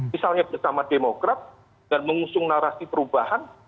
misalnya bersama demokrat dengan mengusung narasi perubahan